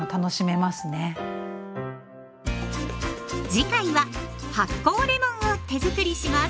次回は発酵レモンを手づくりします。